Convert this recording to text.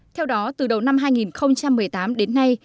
theo đó từ đầu năm hai nghìn một mươi tám đến nay